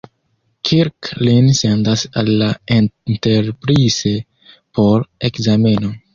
Kirk lin sendas al la "Enterprise" por ekzameno.